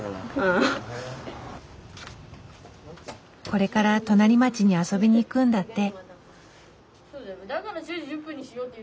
これから隣町に遊びにいくんだって。